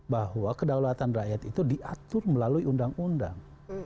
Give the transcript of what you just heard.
bahwa kedaulatan rakyat itu diatur melalui undang undang